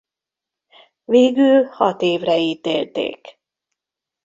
Végül hat évre ítélték.